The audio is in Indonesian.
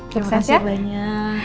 terima kasih banyak